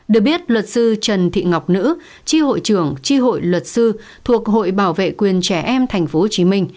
được biết luật sư trần tị ngọc nữ chi hội trưởng chi hội luật sư thuộc hội bảo vệ quyền trẻ em tp hcm